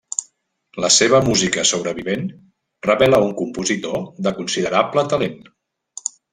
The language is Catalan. La seva música sobrevivent revela un compositor de considerable talent.